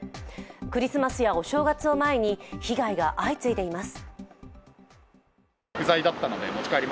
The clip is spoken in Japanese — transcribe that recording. クリスマスやお正月を前に被害が相次いでいます。